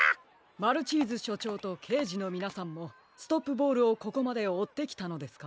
マルチーズしょちょうとけいじのみなさんもストップボールをここまでおってきたのですか？